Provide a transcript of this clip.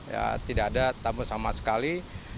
ya tidak ada tamu sama sekali